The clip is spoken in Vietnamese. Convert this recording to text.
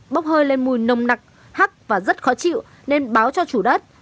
bốc hơi lên mùi nồng nặc hắc và rất khó chịu nên báo cho chủ đất